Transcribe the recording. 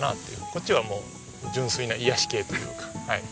こっちはもう純粋な癒やし系というかはい。